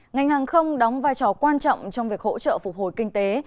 ngành hàng không đóng vai trò quan trọng trong việc hỗ trợ phục hồi kinh tế